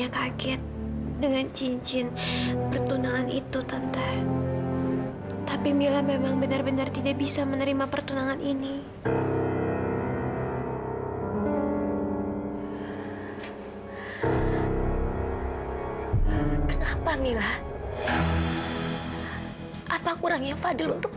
sampai jumpa di video selanjutnya